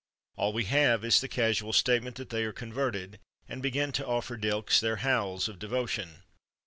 All we have is the casual statement that they are converted, and begin to offer Dylks their howls of devotion.